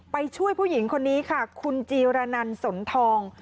ไปช่วยผู้หญิงคนนี้ค่ะคุณจีรนันสนทอง